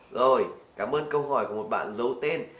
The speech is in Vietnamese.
rồi cảm ơn câu hỏi của một bạn giấu tên